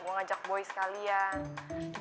gue ngajak boys kalian